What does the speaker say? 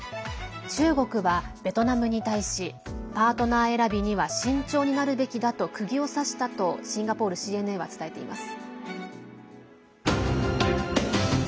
中国は、ベトナムに対しパートナー選びには慎重になるべきだとくぎを刺したとシンガポールＣＮＡは伝えています。